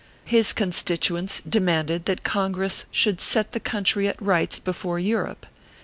His constituents de manded that Congress should set the country at rights before Europe.